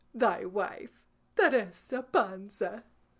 Thy wife, TERESA PANZA.